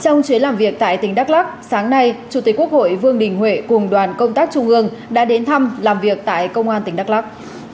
trong chuyến làm việc tại tỉnh đắk lắc sáng nay chủ tịch quốc hội vương đình huệ cùng đoàn công tác trung ương đã đến thăm làm việc tại công an tỉnh đắk lắc